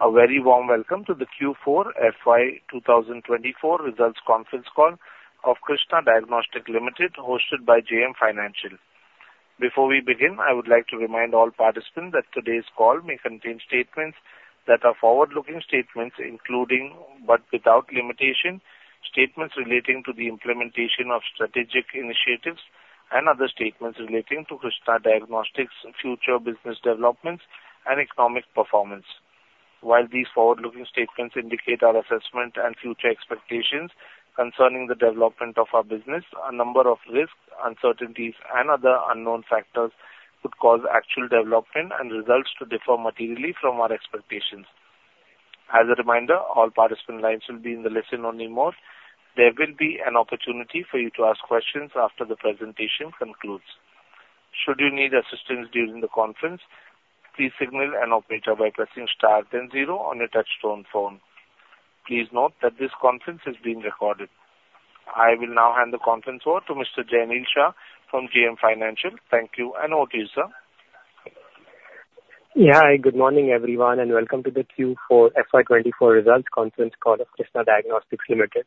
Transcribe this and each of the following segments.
A very warm welcome to the Q4 FY 2024 results conference call of Krsnaa Diagnostics Limited, hosted by JM Financial. Before we begin, I would like to remind all participants that today's call may contain statements that are forward looking statements, including but without limitation, statements relating to the implementation of strategic initiatives and other statements relating to Krsnaa Diagnostics' future business developments and economic performance. While these forward looking statements indicate our assessment and future expectations concerning the development of our business, a number of risks, uncertainties and other unknown factors could cause actual development and results to differ materially from our expectations. As a reminder, all participant lines will be in the listen only mode. There will be an opportunity for you to ask questions after the presentation concludes. Should you need assistance during the conference, please signal an operator by pressing star then zero on your touchtone phone. Please note that this conference is being recorded. I will now hand the conference over to Mr. Jainil Shah from JM Financial. Thank you and over to you, sir. Hi, good morning everyone and welcome to the Q4 FY24 results conference call of Krsnaa Diagnostics Limited.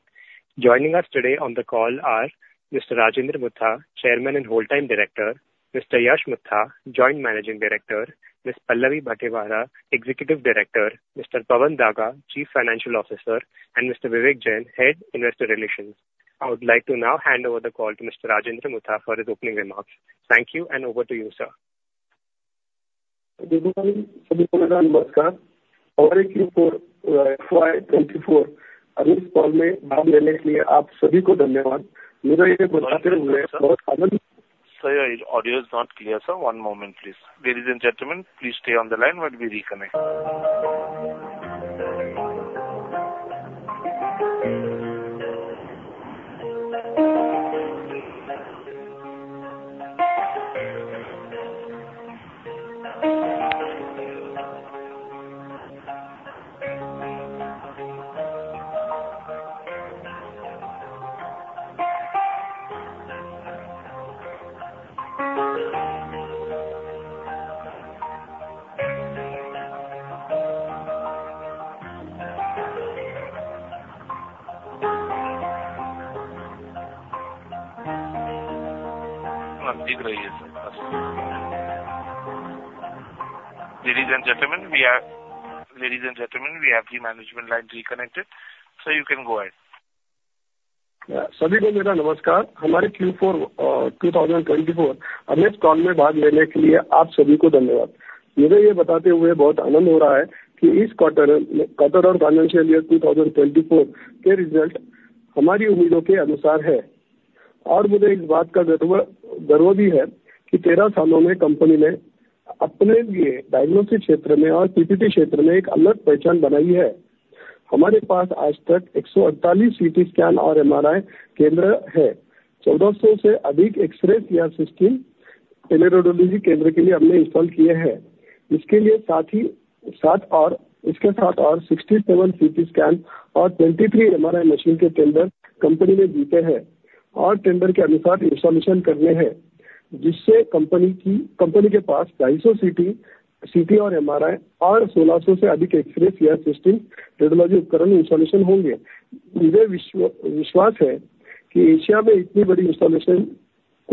Joining us today on the call are Mr. Rajendra Mutha, Chairman and Whole Time Director, Mr. Yash Mutha, Joint Managing Director, Ms. Pallavi Bhatewara, Executive Director, Mr. Pawan Daga, Chief Financial Officer and Mr. Vivek Jain, Head Investor Relations. I would like to now hand over the call to Mr. Rajendra Mutha for his opening remarks. Thank you and over to you, sir. सभी को नमस्कार, हमारे Q4 FY 24 इस call में भाग लेने के लिए आप सभी को धन्यवाद। मुझे यह बताते हुए बहुत आनंद Sir, your audio is not clear sir, one moment please. Ladies and gentlemen, please stay on the line while we reconnect. Ladies and gentlemen, we have the management line reconnected, sir you can go ahead. सभी को मेरा नमस्कार। हमारे Q4 2024 इस call में भाग लेने के लिए आप सभी को धन्यवाद। मुझे यह बताते हुए बहुत आनंद हो रहा है कि इस क्वार्टर और फाइनेंशियल ईयर 2024 के रिजल्ट हमारी उम्मीदों के अनुसार हैं और मुझे इस बात का गर्व भी है कि तेरह सालों में कंपनी ने अपने लिए डायग्नोस्टिक क्षेत्र में और PPP क्षेत्र में एक अलग पहचान बनाई है। हमारे पास आज तक एक सौ अड़तालीस CT स्कैन और MRI केंद्र हैं। चौदह सौ से अधिक X-Ray सिस्टम टेलेरेडियोलॉजी केंद्र के लिए हमने इंस्टॉल किए हैं। इसके साथ ही सिक्सटी सेवन CT स्कैन और ट्वेंटी थ्री MRI मशीन के टेंडर कंपनी ने जीते हैं और टेंडर के अनुसार इंस्टॉलेशन करने हैं, जिससे कंपनी के पास दो सौ CT और MRI और सोलह सौ से अधिक X-Ray सिस्टम रेडियोलॉजी उपकरण इंस्टॉलेशन होंगे। मुझे विश्वास है कि एशिया में इतनी बड़ी इंस्टॉलेशन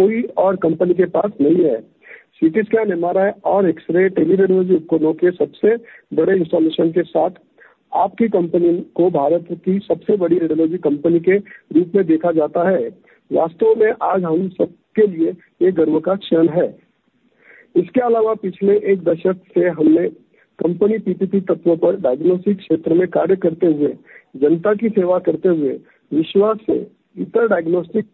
कोई और कंपनी के पास नहीं है। CT स्कैन, MRI और X-Ray टेलेरेडियोलॉजी उपकरणों के सबसे बड़े इंस्टॉलेशन के साथ आपकी कंपनी को भारत की सबसे बड़ी रेडियोलॉजी कंपनी के रूप में देखा जाता है। वास्तव में, आज हम सबके लिए यह गर्व का क्षण है। इसके अलावा पिछले एक दशक से हमने कंपनी PPP मॉडल पर डायग्नोस्टिक क्षेत्र में कार्य करते हुए, जनता की सेवा करते हुए, अन्य डायग्नोस्टिक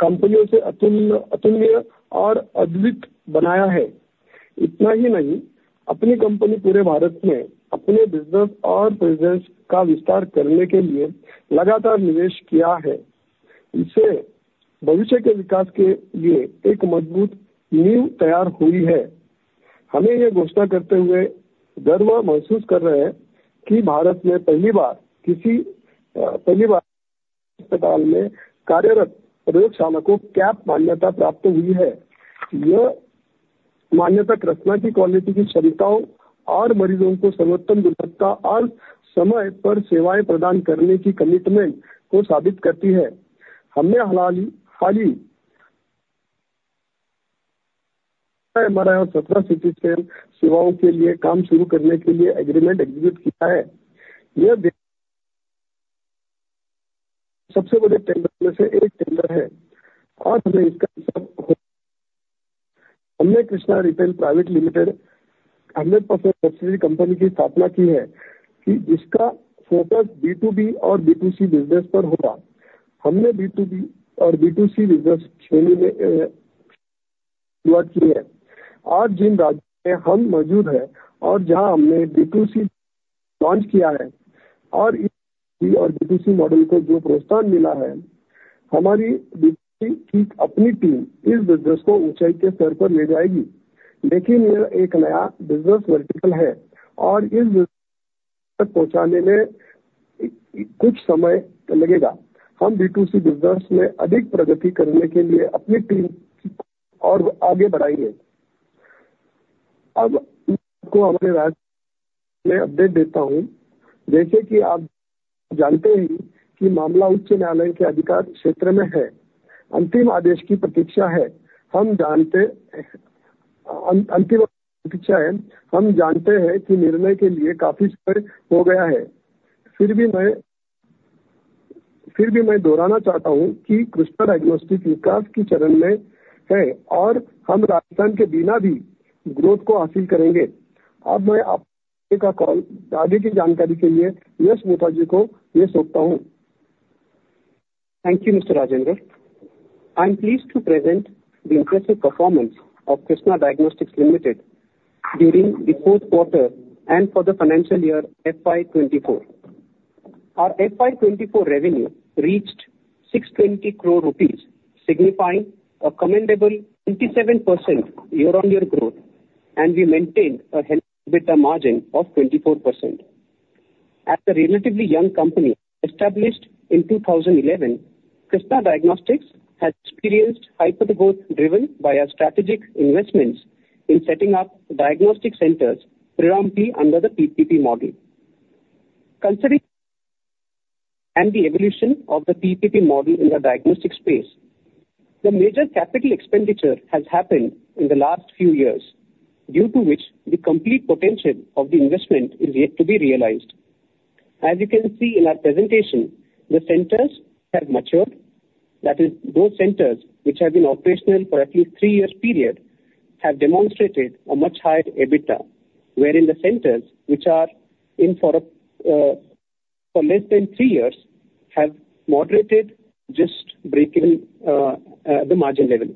कंपनियों से अतुलनीय और अद्वितीय बनाया है। इतना ही नहीं, अपनी कंपनी पूरे भारत में अपने बिजनेस और प्रेजेंस का विस्तार करने के लिए लगातार निवेश किया है। इससे भविष्य के विकास के लिए एक मजबूत नींव तैयार हुई है। हमें यह घोषणा करते हुए गर्व महसूस हो रहा है कि भारत में पहली बार किसी अस्पताल में कार्यरत प्रयोगशाला को CAP मान्यता प्राप्त हुई है। यह मान्यता कृष्णा की क्वालिटी सेवाओं और मरीजों को सर्वोत्तम गुणवत्ता और समय पर सेवाएं प्रदान करने की कमिटमेंट को साबित करती है। हमने हाल ही में MRI और सत्रह CT स्कैन सेवाओं के लिए काम शुरू करने के लिए एग्रीमेंट एक्जीक्यूट किया है। सबसे बड़े टेंडर में से एक टेंडर है और हमें इसका, हमने Krishna retail private limited, 100% subsidiary company की स्थापना की है, जिसका फोकस B2B और B2C बिजनेस पर होगा। हमने B2B और B2C बिजनेस क्षेत्र में शुरू किया है और जिन राज्यों में हम मौजूद हैं और जहां हमने B2C लॉन्च किया है और B2C मॉडल को जो प्रोत्साहन मिला है, हमारी कंपनी की अपनी टीम इस बिजनेस को ऊंचाई के स्तर पर ले जाएगी। लेकिन यह एक नया बिजनेस वर्टिकल है। तक पहुंचाने में कुछ समय लगेगा। हम B2C बिजनेस में अधिक प्रगति करने के लिए अपनी टीम को आगे बढ़ाएंगे। अब मैं अपने में अपडेट देता हूं। जैसे कि आप जानते ही हैं कि मामला उच्च न्यायालय के अधिकार क्षेत्र में है। अंतिम आदेश की प्रतीक्षा है। हम जानते हैं कि अंतिम प्रतीक्षा है। हम जानते हैं कि निर्णय के लिए काफी समय हो गया है। फिर भी मैं दोहराना चाहता हूं कि कृष्णा डायग्नोस्टिक विकास के चरण में है और हम राजस्थान के बिना भी ग्रोथ को हासिल करेंगे। अब मैं आपके कॉल की आगे की जानकारी के लिए यश मोता जी को यह सौंपता हूं। Thank you, Mr. Rajendra. I am pleased to present the impressive performance of Krsnaa Diagnostics Limited during the fourth quarter and for the financial year FY 2024. Our FY 2024 revenue reached ₹620 crores, signifying a commendable 27% year-on-year growth, and we maintained a healthy EBITDA margin of 24%. As a relatively young company established in 2011, Krsnaa Diagnostics has experienced hyper growth driven by our strategic investment in setting up diagnostic centers predominantly under the PPP model. Considered the evolution of the PPP model in the diagnostic space, the major capital expenditure has happened in the last few years, due to which the complete potential of the investment is yet to be realized. As you can see in our presentation, the centers have matured - that is, those centers which have been operational for at least three years period have demonstrated a much higher EBITDA, whereas the centers which are operational for less than three years have moderated just breaking the margin level.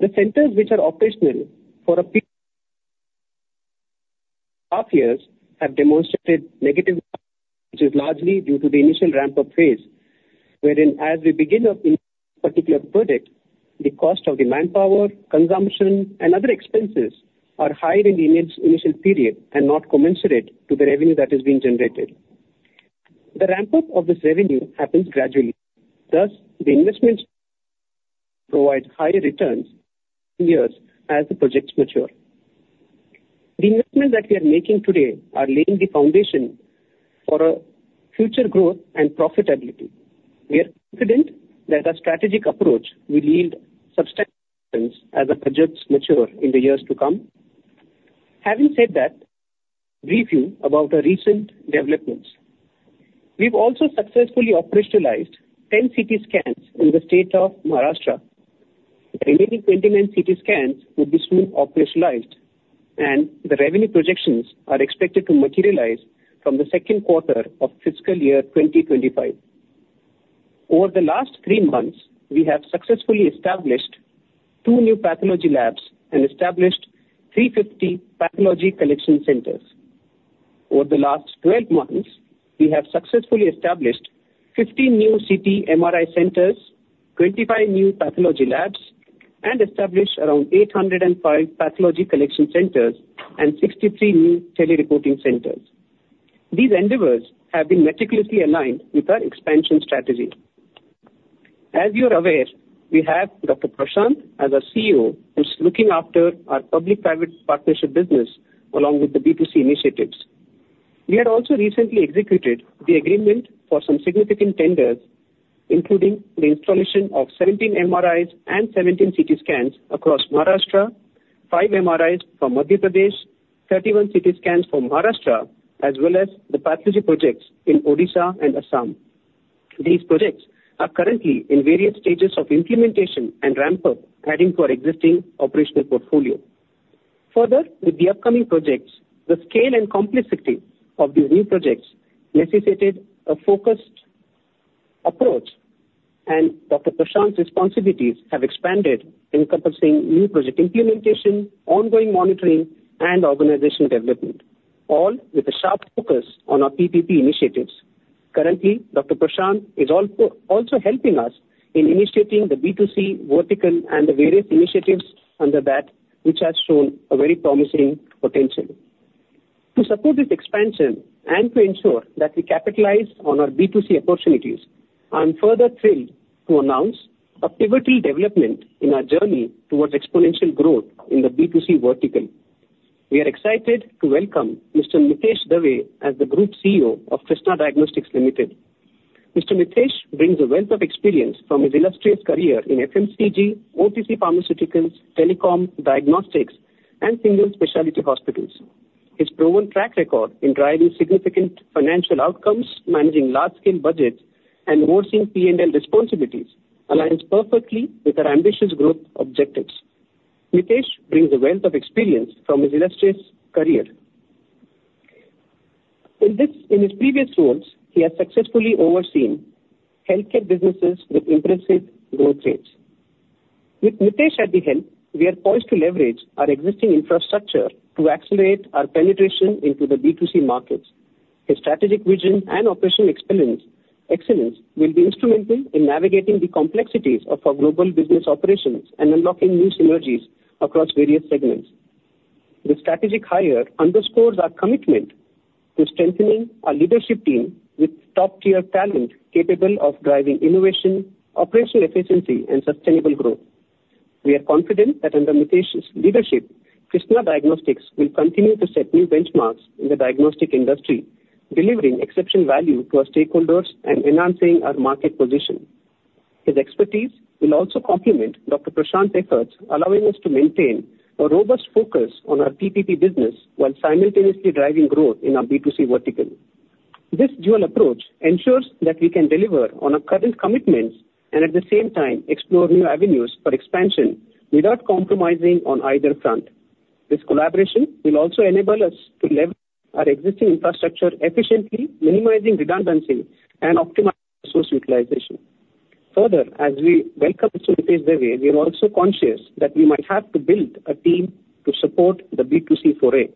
The centers which are operational for 1.5 years have demonstrated negative EBITDA, which is largely due to the initial ramp-up phase, wherein as we begin a particular project, the cost of the manpower, consumption and other expenses are high in the initial period and not commensurate to the revenue that is being generated. The ramp-up of this revenue happens gradually, thus the investment provides higher returns as the projects mature. The investment that we are making today are laying the foundation for future growth and profitability. We are confident that our strategic approach will yield substantial returns as the projects mature in the years to come. Having said that, let me brief you about a recent development. We have also successfully operationalized 10 CT scans in the state of Maharashtra. Remaining 29 CT scans will be soon operationalized and the revenue from these projects are expected to materialize from the second quarter of fiscal year 2025. Over the last three months, we have successfully established two new pathology labs and established 350 pathology collection centers. Over the last twelve months, we have successfully established 50 new CT/MRI centers, 25 new pathology labs, and established around 805 pathology collection centers and 63 new tele-reporting centers. These endeavors have been meticulously aligned with our expansion strategy. As you are aware, we have Dr. Prashant as our CEO, who is looking after our public-private partnership business along with the B2C initiatives. We have also recently executed the agreement for some significant tenders, including the installation of 17 MRI and 17 CT scans across Maharashtra, 5 MRI from Madhya Pradesh, 31 CT scans from Maharashtra, as well as the pathology projects in Odisha and Assam. These projects are currently in various stages of implementation and ramp-up, adding to our existing operational portfolio. Further, with the upcoming projects, the scale and complexity of these new projects necessitated a focused approach and Dr. Prashant's responsibilities have expanded encompassing new project implementation, ongoing monitoring and organizational development, all with a sharp focus on our PPP initiatives. Currently, Dr. Prashant is also helping us in initiating the B2C vertical and the various initiatives under that, which has shown a very promising potential. To support this expansion and to ensure that we capitalize on our B2C opportunities, I am further thrilled to announce a pivotal development in our journey towards exponential growth in the B2C vertical. We are excited to welcome Mr. Mitesh Dave as the Group CEO of Krsnaa Diagnostics Limited. Mr. Mitesh brings a wealth of experience from his illustrious career in FMCG, OTC pharmaceuticals, telecom, diagnostics and single specialty hospitals. His proven track record in driving significant financial outcomes, managing large-scale budgets and overseeing P&L responsibilities aligns perfectly with our ambitious growth objectives. Mitesh brings a wealth of experience from his illustrious career. In his previous roles, he has successfully overseen healthcare business with impressive growth rates. With Mitesh at the helm, we are poised to leverage our existing infrastructure to accelerate our penetration into the B2C market. His strategic vision and operational experience... Excellence will be instrumental in navigating the complexities of our global business operations and unlocking new synergies across various segments. This strategic hire underscores our commitment to strengthening our leadership team with top-tier talent, capable of driving innovation, operational efficiency, and sustainable growth. We are confident that under Mitesh's leadership, Krsnaa Diagnostics will continue to set new benchmarks in the diagnostic industry, delivering exceptional value to our stakeholders and enhancing our market position. His expertise will also complement Dr. Prashant's efforts, allowing us to maintain a robust focus on our PPP business, while simultaneously driving growth in our B2C vertical. This dual approach ensures that we can deliver on our current commitments, and at the same time, explore new avenues for expansion without compromising on either front. This collaboration will also enable us to leverage our existing infrastructure efficiently, minimizing redundancy and optimizing resource utilization. Further, as we welcome Mitesh Dave, we are also conscious that we might have to build a team to support the B2C foray.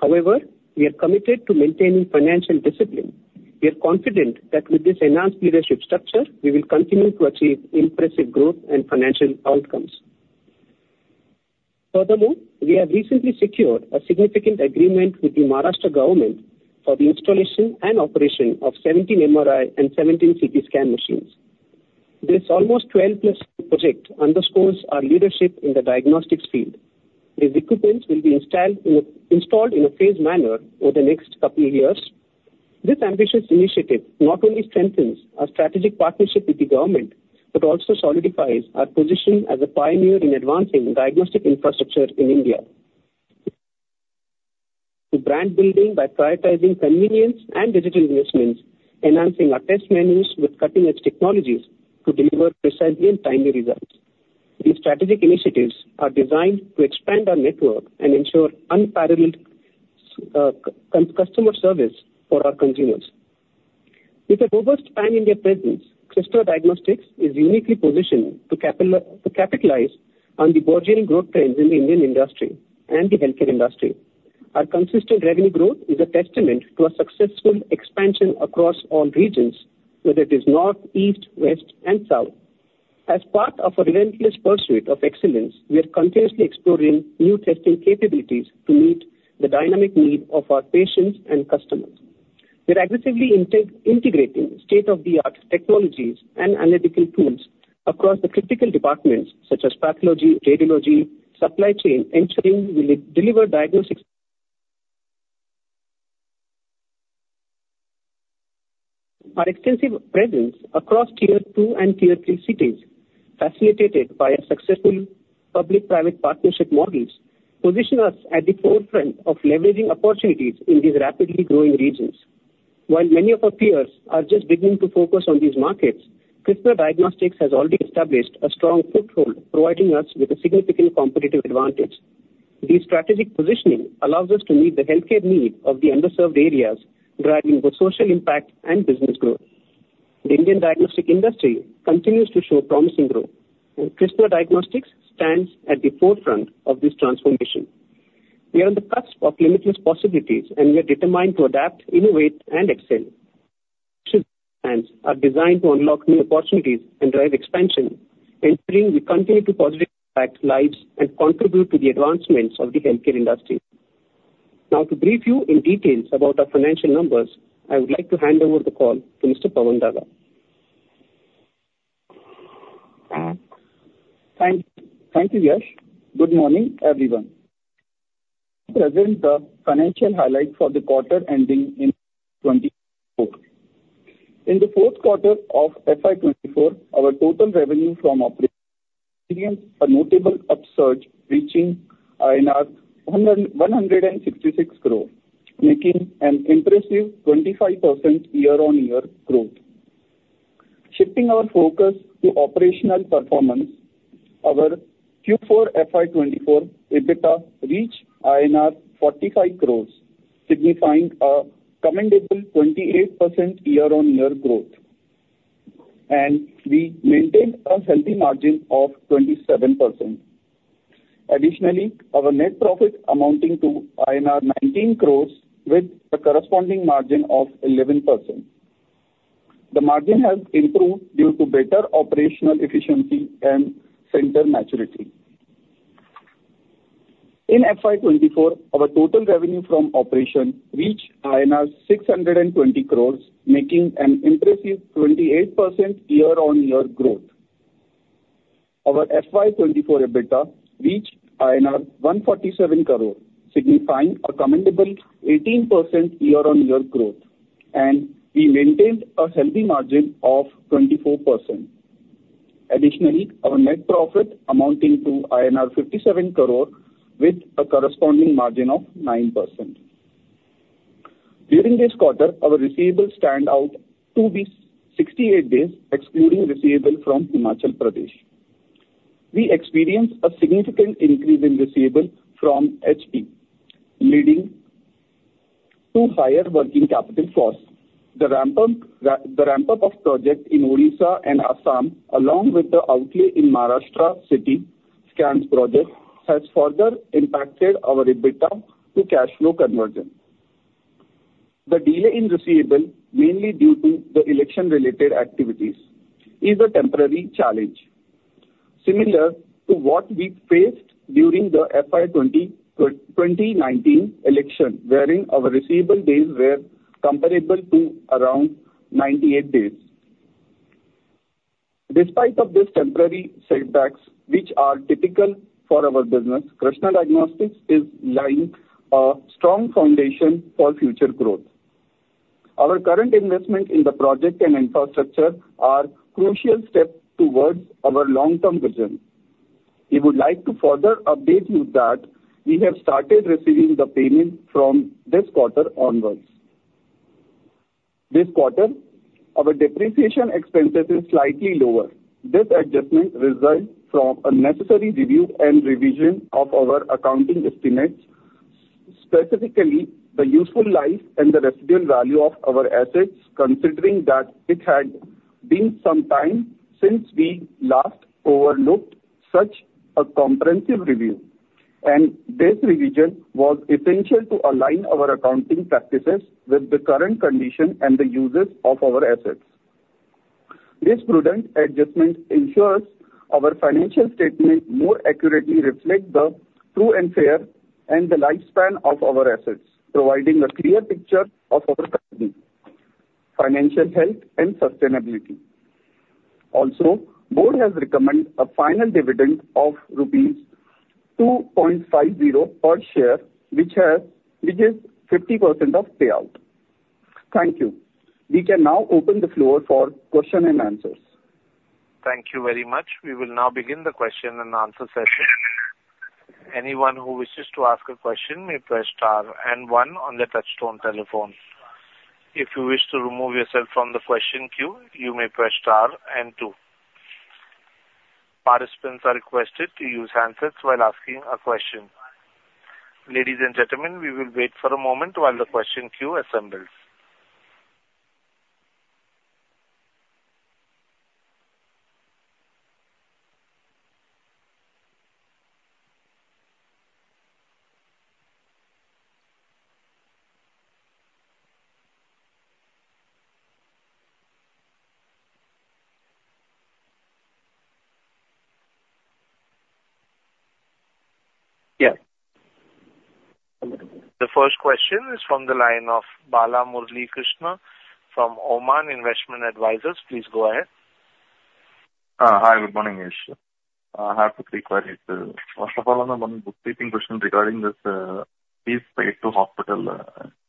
However, we are committed to maintaining financial discipline. We are confident that with this enhanced leadership structure, we will continue to achieve impressive growth and financial outcomes. Furthermore, we have recently secured a significant agreement with the Maharashtra government for the installation and operation of seventeen MRI and seventeen CT scan machines. This almost 12+ crore project underscores our leadership in the diagnostics field. These equipments will be installed in a phased manner over the next couple years. This ambitious initiative not only strengthens our strategic partnership with the government, but also solidifies our position as a pioneer in advancing diagnostic infrastructure in India. To brand building by prioritizing convenience and digital investments, enhancing our test menus with cutting-edge technologies to deliver precise and timely results. These strategic initiatives are designed to expand our network and ensure unparalleled customer service for our consumers. With a robust pan-India presence, Krsnaa Diagnostics is uniquely positioned to capitalize on the burgeoning growth trends in the Indian industry and the healthcare industry. Our consistent revenue growth is a testament to a successful expansion across all regions, whether it is north, east, west, and south. As part of our relentless pursuit of excellence, we are continuously exploring new testing capabilities to meet the dynamic needs of our patients and customers. We are aggressively integrating state-of-the-art technologies and analytical tools across the critical departments, such as pathology, radiology, supply chain, ensuring we deliver diagnostics. Our extensive presence across Tier Two and Tier Three cities, facilitated by successful public-private partnership models, positions us at the forefront of leveraging opportunities in these rapidly growing regions. While many of our peers are just beginning to focus on these markets, Krsnaa Diagnostics has already established a strong foothold, providing us with a significant competitive advantage. This strategic positioning allows us to meet the healthcare needs of underserved areas, driving both social impact and business growth. The Indian diagnostic industry continues to show promising growth, and Krsnaa Diagnostics stands at the forefront of this transformation. We are on the cusp of limitless possibilities, and we are determined to adapt, innovate, and excel. Plans are designed to unlock new opportunities and drive expansion, ensuring we continue to positively impact lives and contribute to the advancements of the healthcare industry. Now, to brief you in details about our financial numbers, I would like to hand over the call to Mr. Pawan Daga. Thank you, Yash. Good morning, everyone. Present the financial highlights for the quarter ending in 2024. In the fourth quarter of FY 2024, our total revenue from operations experienced a notable upsurge, reaching 166 crore, making an impressive 25% year-on-year growth. Shifting our focus to operational performance, our Q4 FY 2024 EBITDA reached INR 45 crores, signifying a commendable 28% year-on-year growth, and we maintained a healthy margin of 27%. Additionally, our net profit amounting to INR 19 crores, with a corresponding margin of 11%. The margin has improved due to better operational efficiency and center maturity. In FY 2024, our total revenue from operation reached INR 620 crores, making an impressive 28% year-on-year growth. Our FY 2024 EBITDA reached INR 147 crore, signifying a commendable 18% year-on-year growth, and we maintained a healthy margin of 24%. Additionally, our net profit amounting to INR 57 crore, with a corresponding margin of 9%. During this quarter, our receivables stand out to be 68 days, excluding receivable from Himachal Pradesh. We experienced a significant increase in receivable from HP, leading to higher working capital costs. The ramp-up of project in Odisha and Assam, along with the outlay in Maharashtra city scans project has further impacted our EBITDA to cash flow conversion. The delay in receivable, mainly due to the election-related activities, is a temporary challenge, similar to what we faced during the FY 2019 election, wherein our receivable days were comparable to around 98 days. Despite these temporary setbacks, which are typical for our business, Krsnaa Diagnostics is laying a strong foundation for future growth. Our current investment in the project and infrastructure are crucial steps towards our long-term vision. We would like to further update you that we have started receiving the payment from this quarter onwards. This quarter, our depreciation expenses are slightly lower. This adjustment results from a necessary review and revision of our accounting estimates, specifically the useful life and the residual value of our assets, considering that it had been some time since we last undertook such a comprehensive review. This revision was essential to align our accounting practices with the current condition and the uses of our assets. This prudent adjustment ensures our financial statements more accurately reflect the true and fair view and the lifespan of our assets, providing a clear picture of our company's financial health and sustainability. Also, the board has recommended a final dividend of rupees 2.50 per share, which is 50% payout. Thank you. We can now open the floor for questions and answers. Thank you very much. We will now begin the question and answer session. Anyone who wishes to ask a question may press star and one on the touchtone telephone. If you wish to remove yourself from the question queue, you may press star and two. Participants are requested to use handsets while asking a question. Ladies and gentlemen, we will wait for a moment while the question queue assembles. The first question is from the line of Balamurali Krishna from Oman Investment Advisors. Please go ahead. Hi, good morning, Yash. I have two quick queries. First of all, on one bookkeeping question regarding this fees paid to hospital,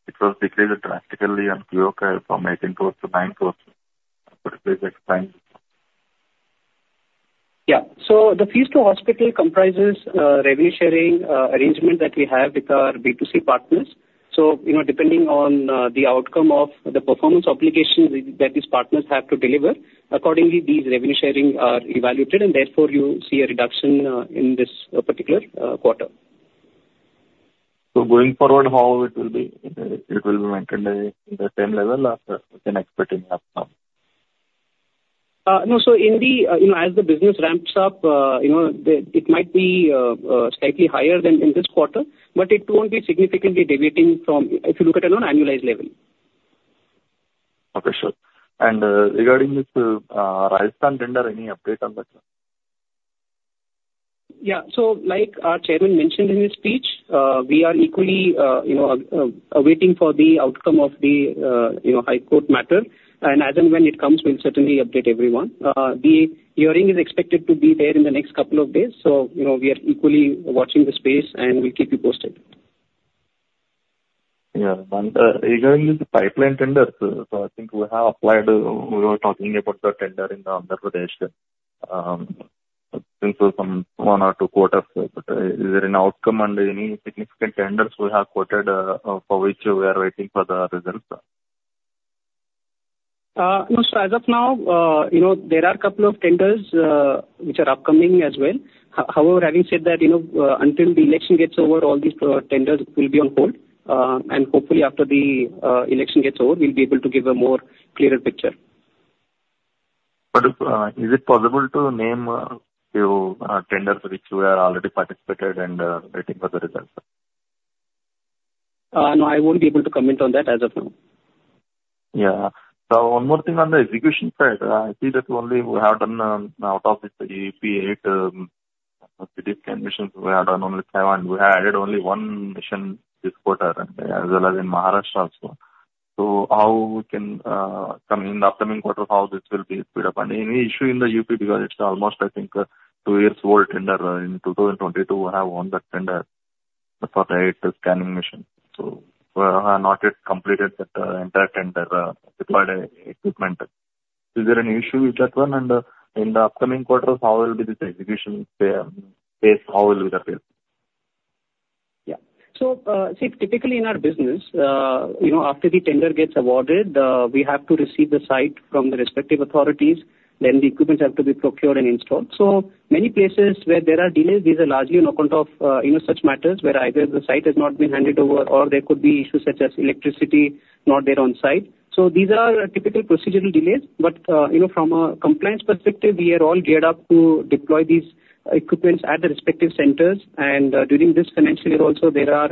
it was decreased drastically and clear cut from 18% to 9%. Could you please explain? The fees to hospital comprises revenue sharing arrangement that we have with our B2C partners. Depending on the outcome of the performance obligations that these partners have to deliver, accordingly, these revenue sharing are evaluated, and therefore you see a reduction in this particular quarter. Going forward, how will it be? Will it be maintained at the same level, or can we expect any upside? No. So as the business ramps up, it might be slightly higher than in this quarter, but it won't be significantly deviating from if you look at it on an annualized level. Okay, sure. And regarding this Rajasthan tender, any update on that? So like our chairman mentioned in his speech, we are equally waiting for the outcome of the High Court matter. And as and when it comes, we'll certainly update everyone. The hearing is expected to be there in the next couple of days, so we are equally watching the space, and we'll keep you posted. Regarding the pipeline tenders, I think we have applied. We were talking about the tender in Andhra Pradesh since one or two quarters. Is there any outcome and any significant tenders we have quoted for which we are waiting for the results? No. As of now, there are a couple of tenders which are upcoming as well. However, having said that, until the election gets over, all these tenders will be on hold. Hopefully after the election gets over, we'll be able to give a more clearer picture. Is it possible to name a few tenders which we have already participated and are waiting for the results? No, I won't be able to comment on that as of now. So one more thing on the execution side. I see that only we have done, out of the 38 CT scan machines, we have done only seven. We have added only one machine this quarter, and as well as in Maharashtra also. So how can we come in the upcoming quarter, how this will be sped up? And any issue in the UP, because it's almost, I think, two years old tender in 2022, we have won that tender for the eight scanning machine. So we have not yet completed that entire tender, deployed equipment. Is there any issue with that one? And in the upcoming quarters, how will be this execution pace, how will it appear? So typically in our business, after the tender gets awarded, we have to receive the site from the respective authorities, then the equipments have to be procured and installed. So many places where there are delays, these are largely on account of such matters, where either the site has not been handed over or there could be issues such as electricity not there on site. These are typical procedural delays. But from a compliance perspective, we are all geared up to deploy these equipments at the respective centers, and during this financial year also, there are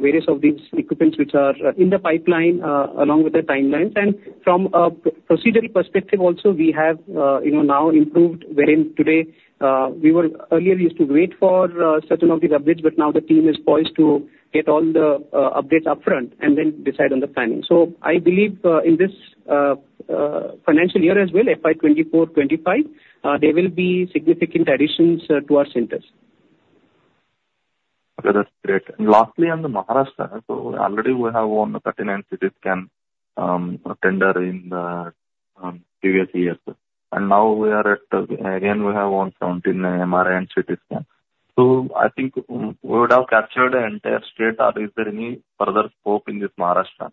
various of these equipments which are in the pipeline, along with the timelines. From a procedural perspective also, we have now improved wherein today, we were earlier used to wait for certain of these updates, but now the team is poised to get all the updates upfront and then decide on the planning. So I believe in this financial year as well, FY 2024-25, there will be significant additions to our centers. That's great. Lastly, on Maharashtra, we have already won the 39 CT scan tender in the previous years. Now we have won seventeen MRI and CT scan again. I think we would have captured the entire state. Are there any further scope in this Maharashtra?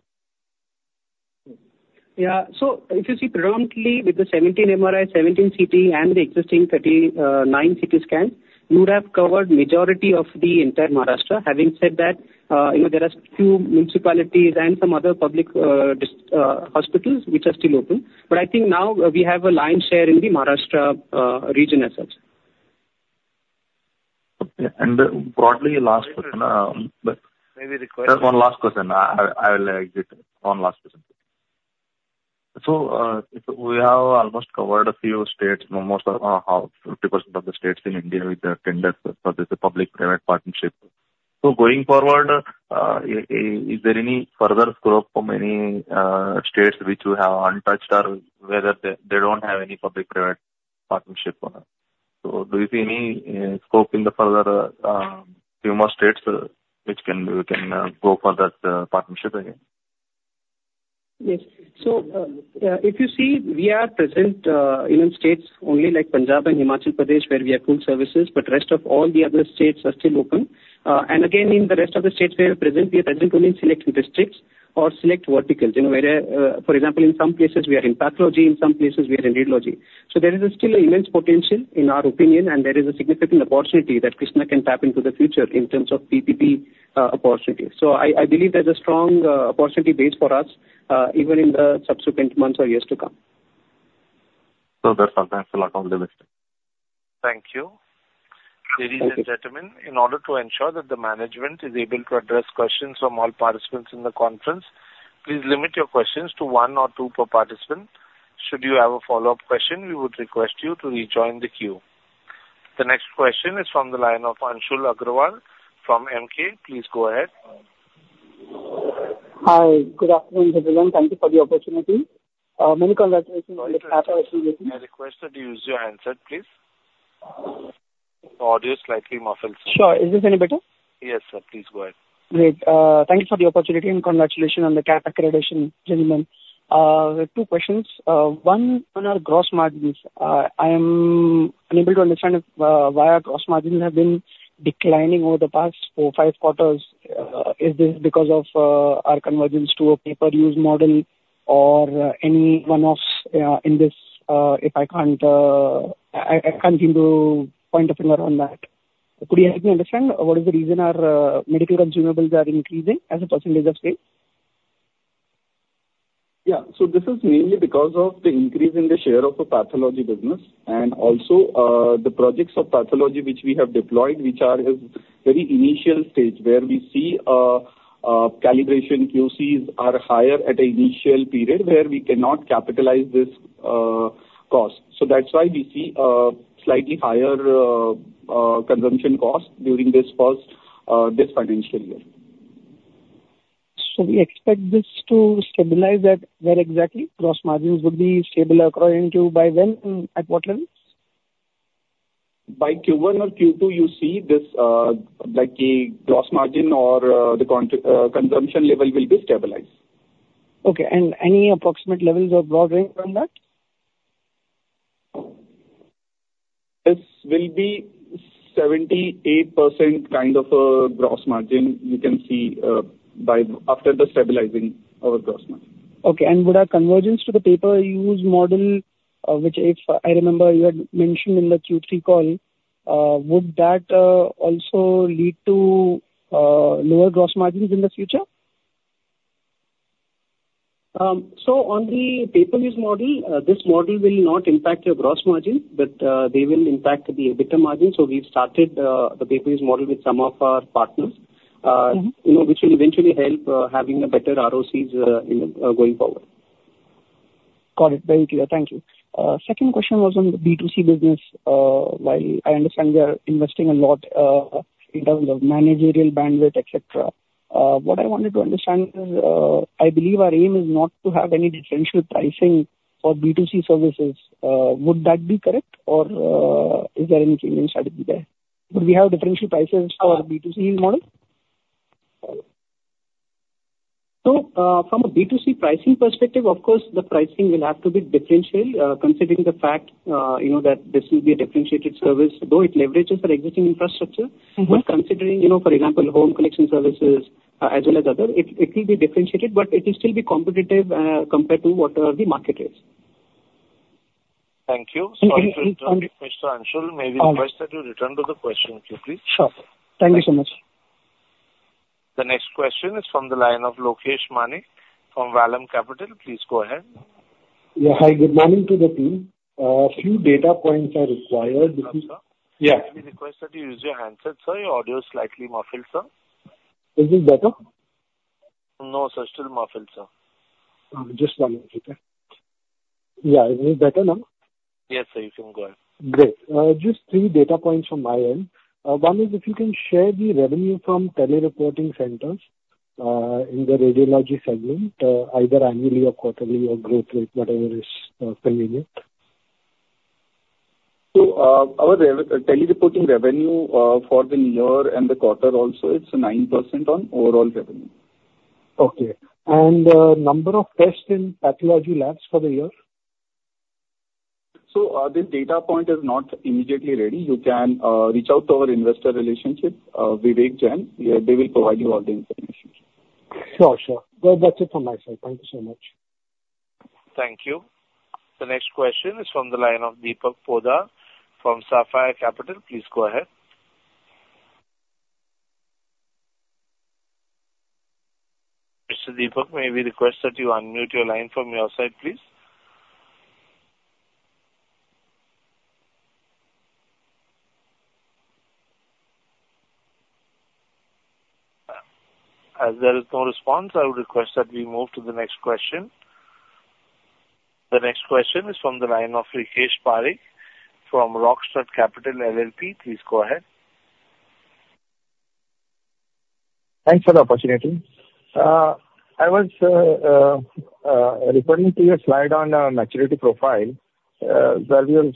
Yeah. So if you see predominantly with the 17 MRI, 17 CT, and the existing 39 CT scan, you would have covered majority of the entire Maharashtra. Having said that, you know, there are few municipalities and some other public hospitals which are still open. But I think now we have a lion share in the Maharashtra region as such. Broadly, last question, but- Maybe the question- One last question, I will exit. One last question. So we have almost covered a few states, almost 50% of the states in India with the tenders for this public-private partnership. So going forward, is there any further scope from any states which you have untouched or whether they don't have any public-private partnership on it? So do you see any scope in the further few more states which can we can go for that partnership again? Yes. If you see, we are present in states only like Punjab and Himachal Pradesh, where we have full services, but rest of all the other states are still open. And again, in the rest of the states we are present, we are present only in select districts or select verticals. You know, where, for example, in some places we are in pathology, in some places we are in radiology. There is still an immense potential, in our opinion, and there is a significant opportunity that Krsnaa can tap into the future in terms of PPP opportunity. I believe there's a strong opportunity base for us, even in the subsequent months or years to come. That's all. Thanks a lot for listening. Thank you. Ladies and gentlemen, in order to ensure that the management is able to address questions from all participants in the conference, please limit your questions to one or two per participant. Should you have a follow-up question, we would request you to rejoin the queue. The next question is from the line of Anshul Agrawal from Emkay. Please go ahead. Hi, good afternoon, everyone. Thank you for the opportunity. Many congratulations on the- May I request that you use your handset, please? Your audio is slightly muffled. Sure. Is this any better? Yes, sir. Please go ahead. Great. Thank you for the opportunity, and congratulations on the CAP accreditation, gentlemen. We have two questions. One on our gross margins. I am unable to understand why our gross margins have been declining over the past four, five quarters. Is this because of our convergence to a pay-per-use model or any one-offs in this? I can't seem to point a finger on that. Could you help me understand what is the reason our medical consumables are increasing as a percentage of sales? This is mainly because of the increase in the share of the pathology business and also the projects of pathology which we have deployed, which are at very initial stage, where we see calibration QCs are higher at the initial period, where we cannot capitalize this cost. That's why we see a slightly higher consumption cost during this financial year. We expect this to stabilize at where exactly? Gross margins would be stable according to by when and at what levels? By Q1 or Q2, you see this, like a gross margin or the consumption level will be stabilized. Okay, and any approximate levels or broad range on that? This will be 78% kind of a gross margin you can see by after stabilizing our gross margin. Okay. And would our convergence to the pay-per-use model, which if I remember, you had mentioned in the Q3 call, would that also lead to lower gross margins in the future? So on the pay-per-use model, this model will not impact your gross margin, but they will impact the EBITDA margin. We started the pay-per-use model with some of our partners. Mm-hmm. You know, which will eventually help having a better ROCE going forward. Got it. Very clear. Thank you. Second question was on the B2C business. While I understand we are investing a lot in terms of managerial bandwidth, et cetera, what I wanted to understand is, I believe our aim is not to have any differential pricing for B2C services. Would that be correct, or is there any change that would be there? Would we have differential prices for our B2C model? From a B2C pricing perspective, of course, the pricing will have to be differential, considering the fact that this will be a differentiated service, though it leverages our existing infrastructure. Mm-hmm. But considering, you know, for example, home collection services, as well as other, it will be differentiated, but it will still be competitive compared to whatever the market is. Thank you. Mm-hmm. Sorry to interrupt you, Mr. Anshul. May we request that you return to the question queue, please? Sure. Thank you so much. The next question is from the line of Lokesh Manik from Vallum Capital. Please go ahead. Yeah. Hi, good morning to the team. A few data points are required. Sir? Yeah. May we request that you use your handset, sir? Your audio is slightly muffled, sir. Is this better? No, sir. Still muffled, sir. Just one minute, okay. Yeah, is this better now? Yes, sir. You can go ahead. Great. Just three data points from my end. One is if you can share the revenue from tele-reporting centers in the radiology segment, either annually or quarterly or growth rate, whatever is convenient. Our tele-reporting revenue for the year and the quarter also, it's 9% of overall revenue. Okay. And number of tests in pathology labs for the year? This data point is not immediately ready. You can reach out to our investor relations, Vivek Jain. They will provide you all the information. Sure, sure. Well, that's it from my side. Thank you so much. Thank you. The next question is from the line of Deepak Poddar from Sapphire Capital. Please go ahead. Mr. Deepak, may we request that you unmute your line from your side, please? As there is no response, I would request that we move to the next question. The next question is from the line of Rakesh Parekh from Rockstud Capital LLP. Please go ahead. Thanks for the opportunity. I was referring to your slide on maturity profile, where you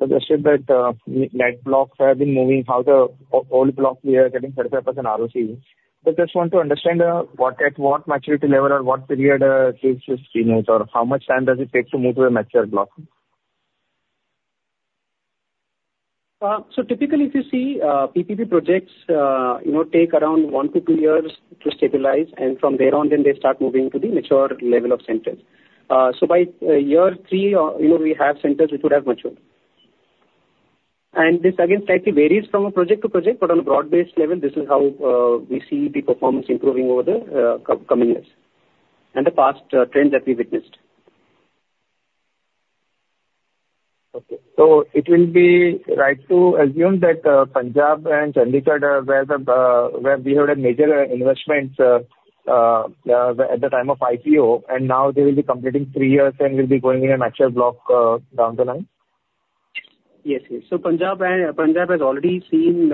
suggested that net blocks have been moving, how the old blocks we are getting set up as an ROC. I just want to understand what maturity level or what period gives you keynote, or how much time does it take to move to a mature block? So typically, if you see PPP projects, you know, take around one to two years to stabilize, and from there on then they start moving to the mature level of centers. So by year three, you know, we have centers which would have matured. This again slightly varies from project to project, but on a broad-based level, this is how we see the performance improving over the coming years, and the past trends that we've witnessed. Okay. So it will be right to assume that Punjab and Chandigarh are where we had a major investment at the time of IPO, and now they will be completing three years and will be going in a mature block down the line? Punjab has already seen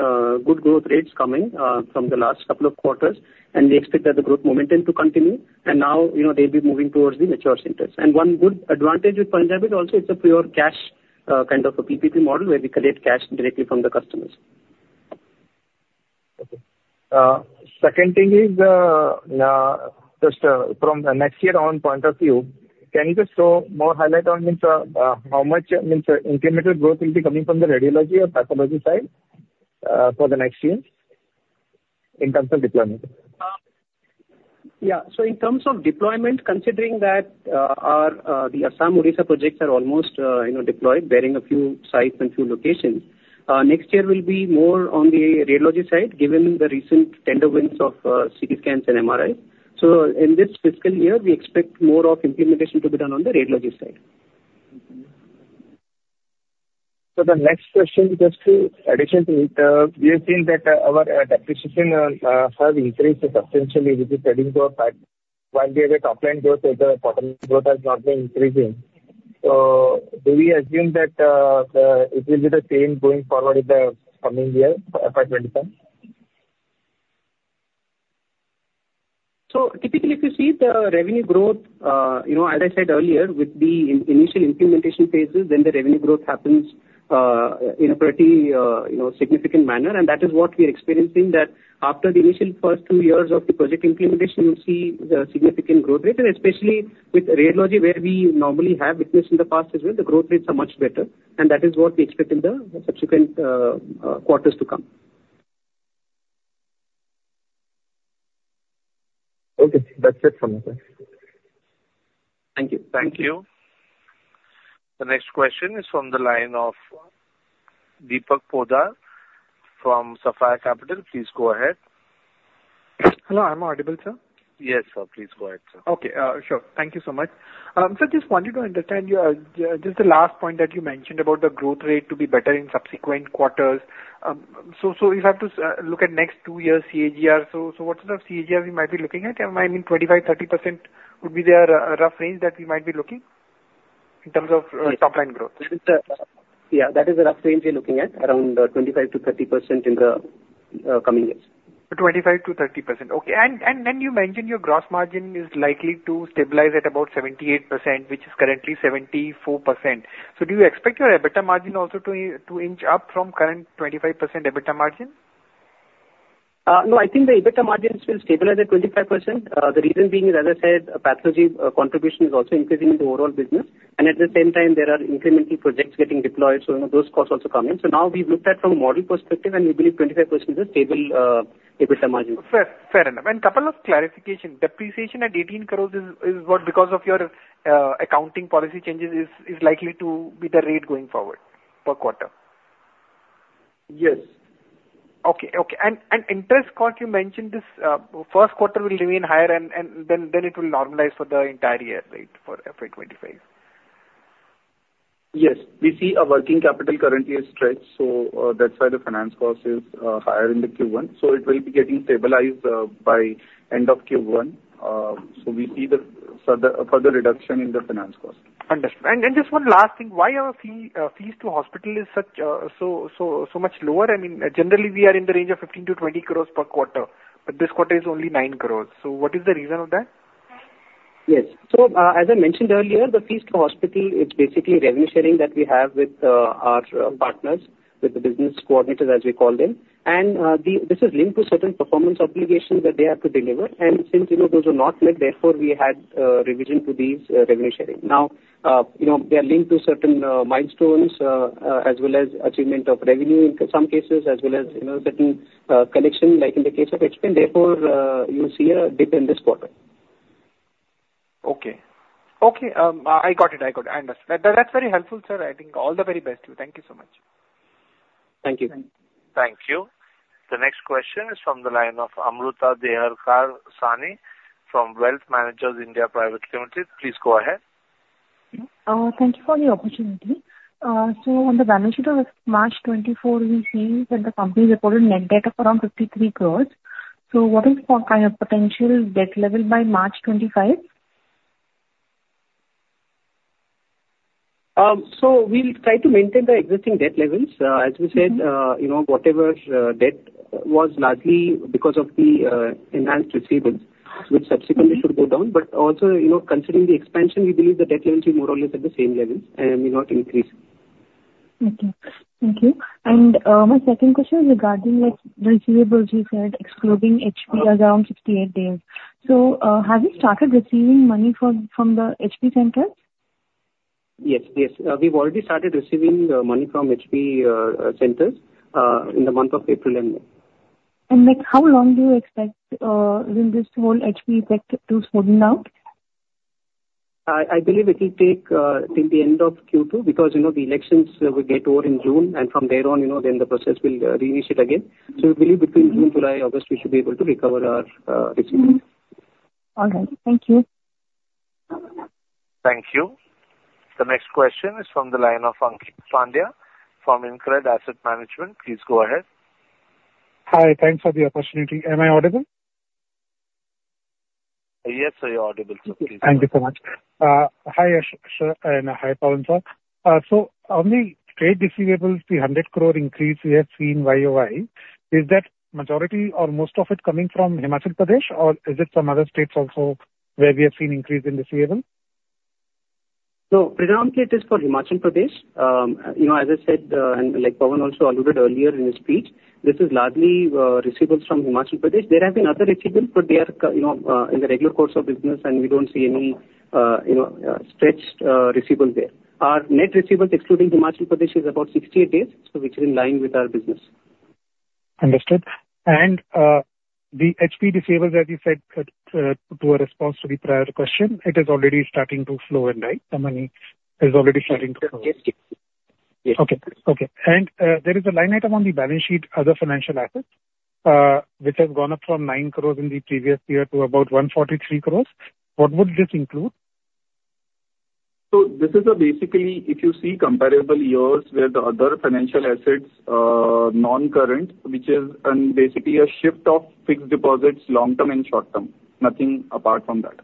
good growth rates coming from the last couple of quarters, and we expect that the growth momentum to continue. Now, they'll be moving towards the mature centers. One good advantage with Punjab is also it's a pure cash kind of a PPP model, where we collect cash directly from the customers. Okay. The second thing is, from the next year's point of view, can you just throw more highlight on how much incremental growth will be coming from the radiology or pathology side for the next years in terms of deployment? Yeah. So in terms of deployment, considering that our Assam, Odisha projects are almost deployed, barring a few sites and few locations, next year will be more on the radiology side, given the recent tender wins of CT scans and MRI. So in this fiscal year, we expect more of implementation to be done on the radiology side. The next question, just in addition to it, we have seen that our depreciation has increased substantially, which is adding to our fact, while we have a top line growth, the bottom growth has not been increasing. Do we assume that it will be the same going forward in the coming year, by 2010? Typically, if you see the revenue growth, as I said earlier, with the initial implementation phases, then the revenue growth happens in a pretty significant manner. That is what we're experiencing, that after the initial first two years of the project implementation, you see the significant growth rate, and especially with radiology, where we normally have witnessed in the past as well, the growth rates are much better, and that is what we expect in the subsequent quarters to come. Okay. That's it from my side. Thank you. Thank you. The next question is from the line of Deepak Poddar from Sapphire Capital. Please go ahead. Hello, am I audible, sir? Yes, sir. Please go ahead, sir. Okay. Sure. Thank you so much. So just wanted to understand your, just the last point that you mentioned about the growth rate to be better in subsequent quarters. So if I have to look at next two years' CAGR, so what sort of CAGR we might be looking at? I mean, 25%, 30% would be the rough range that we might be looking in terms of top line growth? Yeah, that is the rough range we're looking at, around 25% to 30% in the coming years. 25% to 30%. And you mentioned your gross margin is likely to stabilize at about 78%, which is currently 74%. So do you expect your EBITDA margin also to inch up from current 25% EBITDA margin? No, I think the EBITDA margins will stabilize at 25%. The reason being is, as I said, pathology contribution is also increasing in the overall business, and at the same time, there are incremental projects getting deployed, so those costs also come in. So now we've looked at from a model perspective, and we believe 25% is a stable EBITDA margin. Fair, fair enough. And couple of clarifications. Depreciation at 18 crores is what because of your accounting policy changes is likely to be the rate going forward per quarter? Yes. Okay, okay. And interest cost, you mentioned this, first quarter will remain higher and then it will normalize for the entire year, right, for FY 2025? Yes. We see our working capital currently is stretched, so that's why the finance cost is higher in Q1. So it will be getting stabilized by end of Q1. So we see the further reduction in the finance cost. Understood. Just one last thing, why are fees to hospital so much lower? I mean, generally, we are in the range of 15 to 20 crores per quarter, but this quarter is only 9 crores, so what is the reason for that? Yes. As I mentioned earlier, the fees to hospital, it's basically revenue sharing that we have with our partners, with the business coordinators, as we call them. This is linked to certain performance obligations that they have to deliver, and since those are not met, therefore, we had revision to these revenue sharing. Now, they are linked to certain milestones as well as achievement of revenue in some cases, as well as certain collection, like in the case of HP. Therefore, you see a dip in this quarter. Okay. I got it. I understand. That's very helpful, sir. I think all the very best to you. Thank you so much. Thank you. Thank you. The next question is from the line of Amruta Deherkar Sane from Wealth Managers India Private Limited. Please go ahead. Thank you for the opportunity. So on the balance sheet of March 2024, we see that the company reported net debt of around 53 crores. So what is the kind of potential debt level by March 2025? So we will try to maintain the existing debt levels. As we said, you know, whatever debt was largely because of the enhanced receivables, which subsequently should go down. But also, you know, considering the expansion, we believe the debt levels will be more or less at the same levels and may not increase. Okay. Thank you. My second question regarding receivables, you said, excluding HP, around 68 days. So have you started receiving money from the HP centers? Yes, yes. We've already started receiving money from HP centers in the month of April and May. How long do you expect when this whole HP effect to smooth out? I believe it will take till the end of Q2, because the elections will get over in June, and from there on, then the process will initiate again. So we believe between June, July, August, we should be able to recover our receivables. Mm-hmm. All right. Thank you. Thank you. The next question is from the line of Ankeet Pandya from InCred Asset Management. Please go ahead. Hi. Thanks for the opportunity. Am I audible? Yes, sir, you're audible, sir. Please- Thank you so much. Hi, Yash, sir, and hi, Pawan, sir. So on the trade receivables, the 100 crore increase we have seen year-over-year, is that majority or most of it coming from Himachal Pradesh, or is it some other states also where we have seen increase in receivables? Predominantly it is for Himachal Pradesh. As I said, and like Pawan also alluded earlier in his speech, this is largely receivables from Himachal Pradesh. There have been other receivables, but they are in the regular course of business, and we don't see any stretched receivable there. Our net receivables, excluding Himachal Pradesh, is about 68 days, which is in line with our business. Understood. The HP receivables that you said, in response to the prior question, it is already starting to flow in, right? The money is already starting to flow. Yes, yes. And there is a line item on the balance sheet, other financial assets, which has gone up from 9 crores in the previous year to about 143 crores. What would this include? This is basically, if you see comparable years where the other financial assets, noncurrent, which is basically a shift of fixed deposits, long term and short term, nothing apart from that.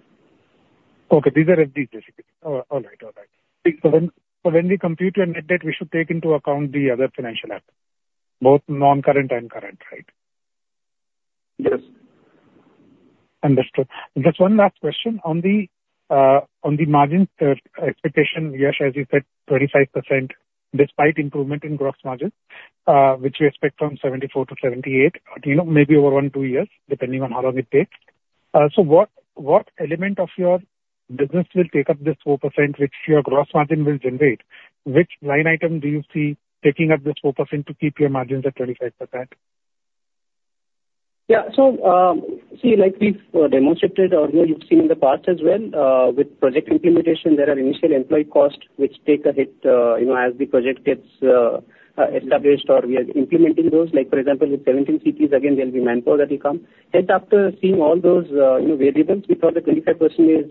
These are FD, basically. All right. All right. So when we compute your net debt, we should take into account the other financial assets, both noncurrent and current, right? Yes. Understood. Just one last question on the margin expectation, Yash, as you said, 25%, despite improvement in gross margin, which we expect from 74% to 78%, you know, maybe over one, two years, depending on how long it takes. So what element of your business will take up this 4%, which your gross margin will generate? Which line item do you see taking up this 4% to keep your margins at 25%? So we've demonstrated, or you've seen in the past as well, with project implementation, there are initial employee costs which take a hit as the project gets established or we are implementing those. Like, for example, with seventeen cities, again, there will be manpower that will come. After seeing all those variables, we thought the 25%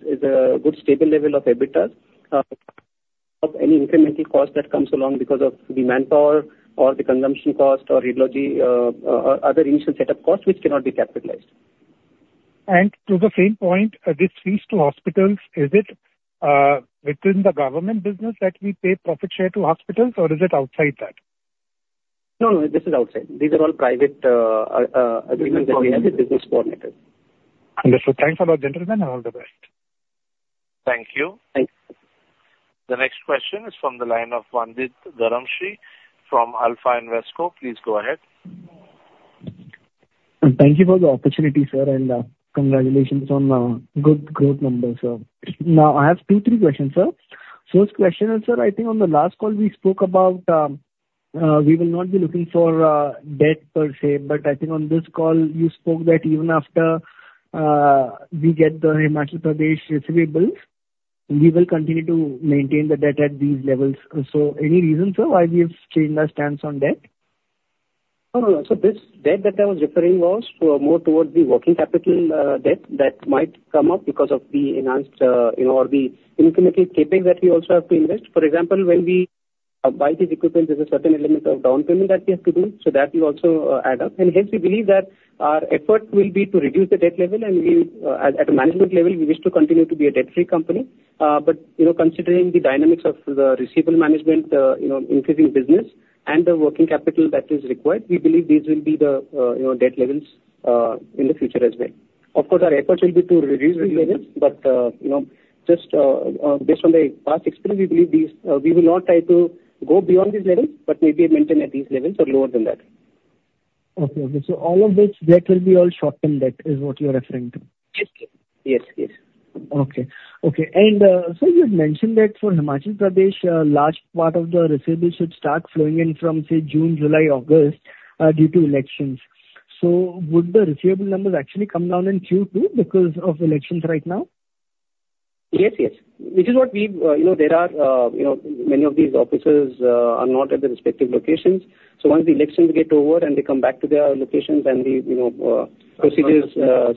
is a good stable level of EBITDA of any incremental cost that comes along because of the manpower or the consumption cost or logistics, other initial setup costs which cannot be capitalized. And to the same point, this fees to hospitals, is it within the government business that we pay profit share to hospitals, or is it outside that? No, no, this is outside. These are all private agreements that we have with business coordinators. Understood. Thanks a lot, gentlemen, and all the best. Thank you. Thank you. The next question is from the line of Vandit Dharamshi from Alpha Invesco. Please go ahead. Thank you for the opportunity, sir, and congratulations on good growth numbers, sir. Now, I have two, three questions, sir. First question is, sir, I think on the last call we spoke about we will not be looking for debt per se, but I think on this call you spoke that even after we get the Himachal Pradesh receivables- We will continue to maintain the debt at these levels. So any reason, sir, why we have changed our stance on debt? No, no, no. This debt that I was referring was more towards the working capital debt that might come up because of the enhanced or the incremental CapEx that we also have to invest. For example, when we buy these equipments, there's a certain element of down payment that we have to do, so that will also add up. Hence, we believe that our effort will be to reduce the debt level, and we at a management level wish to continue to be a debt-free company. But considering the dynamics of the receivable management, increasing business and the working capital that is required, we believe these will be the debt levels in the future as well. Of course, our efforts will be to reduce these levels, but based on the past experience, we believe we will not try to go beyond these levels, but maybe maintain at these levels or lower than that. Okay. So all of this debt will be all short-term debt, is what you're referring to? Yes. Yes, yes. Okay. And so you've mentioned that for Himachal Pradesh, a large part of the receivable should start flowing in from, say, June, July, August, due to elections. So would the receivable numbers actually come down in Q2 because of elections right now? Yes, yes. Which is what we've... You know, there are, you know, many of these officers are not at the respective locations. So once the elections get over and they come back to their locations and the procedures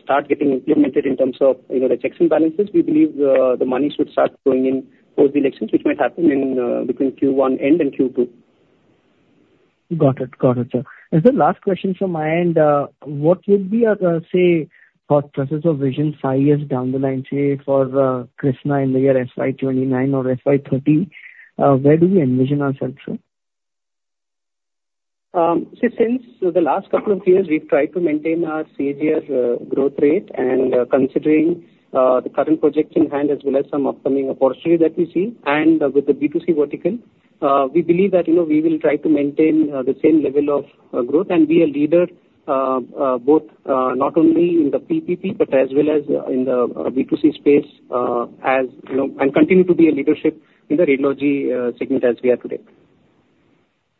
start getting implemented in terms of the checks and balances, we believe the money should start flowing in post the elections, which might happen between Q1 end and Q2. Got it. Got it, sir. And the last question from my end, what will be our, say, for purposes of vision five years down the line, say, for Krsnaa in the year FY 2029 or FY 2030, where do we envision ourselves, sir? Since the last couple of years, we've tried to maintain our serious growth rate. Considering the current projects in hand, as well as some upcoming opportunities that we see, and with the B2C vertical, we believe that we will try to maintain the same level of growth and be a leader both not only in the PPP, but as well as in the B2C space, and continue to be a leadership in the radiology segment as we are today.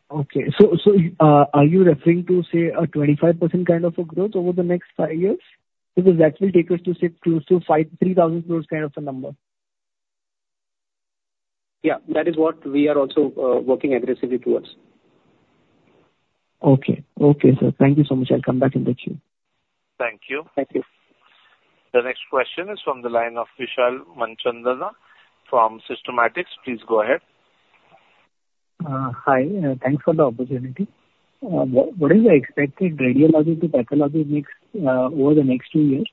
Are you referring to a 25% growth over the next five years? Because that will take us to close to ₹53,000 crores. Yeah, that is what we are also working aggressively towards. Okay. Okay, sir. Thank you so much. I'll come back in the queue. Thank you. Thank you. The next question is from the line of Vishal Manchanda from Systematix. Please go ahead. Hi, thanks for the opportunity. What is your expected radiology to pathology mix over the next two years?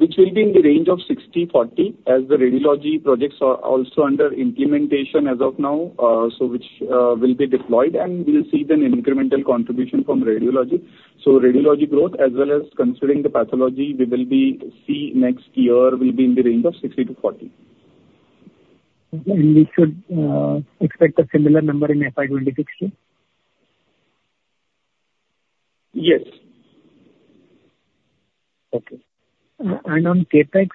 Which will be in the range of 60/40, as the radiology projects are also under implementation as of now, which will be deployed, and we'll see then an incremental contribution from radiology. Radiology growth, as well as considering the pathology, we will see next year will be in the range of 60% to 40%. We should expect a similar number in FY 2026, too? Yes. Okay. And on CapEx,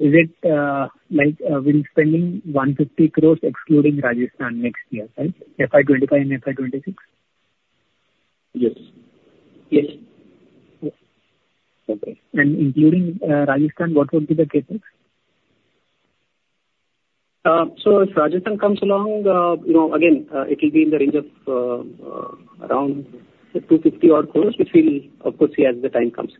is it like we're spending 150 crores excluding Rajasthan next year, right? FY 2025 and FY 2026? Yes. Yes. Okay. And including Rajasthan, what would be the CapEx? So if Rajasthan comes along, you know, again, it will be in the range of around 250 crores, which we'll of course see as the time comes.